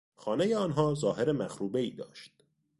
خانهی آنها ظاهر مخروبهای داشت.